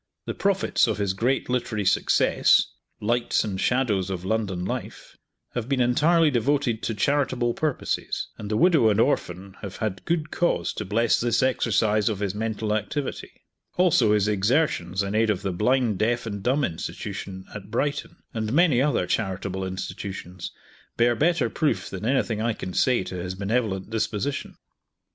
The profits of his great literary success, "Lights and Shadows of London Life," have been entirely devoted to charitable purposes, and the widow and orphan have had good cause to bless this exercise of his mental activity; also his exertions in aid of the Blind, Deaf, and Dumb Institution, at Brighton, and many other charitable institutions, bear better proof than anything I can say to his benevolent disposition.